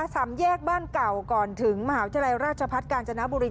สามแยกบ้านเก่าก่อนถึงมหาวิทยาลัยราชพัฒน์กาญจนบุรี